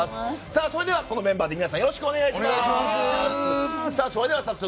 それでは、このメンバーで皆さんよろしくお願いします。